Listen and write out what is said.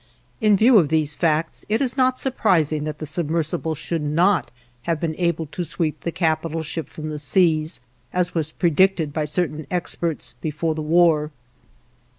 In view of these facts, it is not surprising that the submersible should not have been able to sweep the capital ship from the seas, as was predicted by certain experts before the war.